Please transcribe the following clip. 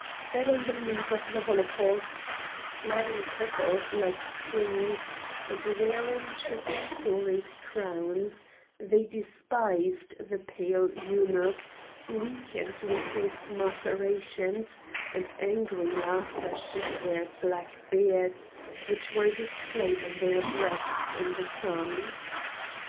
Fed on the meat of the holocausts, clad in purple like kings, and wearing triple storied crowns, they despised the pale eunuch, weakened with his macerations, and angry laughter shook their black beards, which were displayed on their breasts in the sun.